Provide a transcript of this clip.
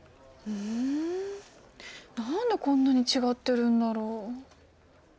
うん何でこんなに違ってるんだろう。